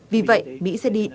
vì vậy mỹ sẽ đi theo dõi